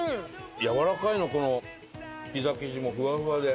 やわらかいのこのピザ生地もふわふわで。